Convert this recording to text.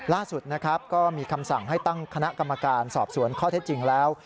ล่าสุดนะครับก็มีคำสั่งให้ตั้งคณะกรรมการสอบสวนข้อเท็จจริงแล้ว